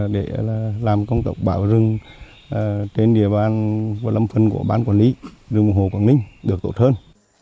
để làm công tác bảo rừng trên địa bàn và lâm phần của ban quản lý rừng hồ quảng ninh được tốt hơn